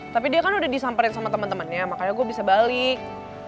tapi dia kan udah disamperin sama temen temennya makanya gue bisa balik